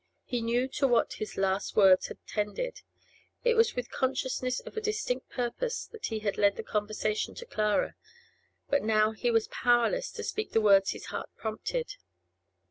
He knew to what his last words had tended; it was with consciousness of a distinct purpose that he had led the conversation to Clara; but now he was powerless to speak the words his heart prompted.